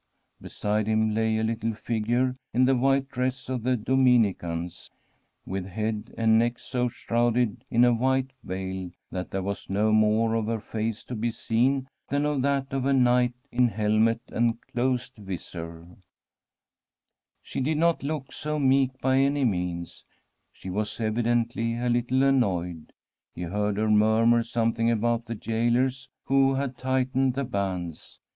Beside him lay a little figure in the white dress of the Dominicans, with head and neck so shrouded in a white veil that there was not more of her face to be seen than of that of a knight in helmet and closed visor. She did not look so meek by any means ; she was evidently a little annoyed. He heard her murmur something about the gaolers who had tightened the bands.